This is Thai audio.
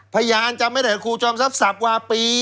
พยานจำไม่ได้ครูจอมทรัพย์ศัพท์กว่าปีอ่ะ